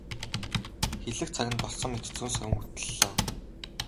Хэлэх цаг нь болсон мэт зөн совин хөтөллөө.